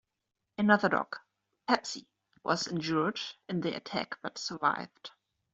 Another dog, "Pepsi" was injured in the attack but survived.